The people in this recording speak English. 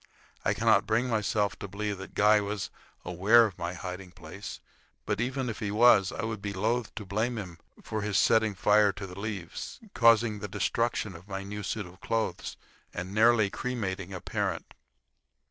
I cannot bring myself to believe that Guy was aware of my hiding place, but even if he was, I would be loath to blame him for his setting fire to the leaves, causing the destruction of my new suit of clothes, and nearly cremating a parent.